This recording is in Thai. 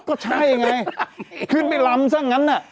ก็ใช่ไงขึ้นไปลำสักงั้น